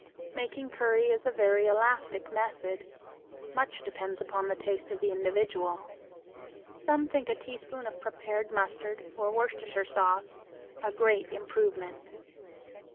Making curry is a very elastic method. Much depends upon the taste of the individual. Some think a teaspoonful of prepared mustard or Worcestershire sauce a great improvement.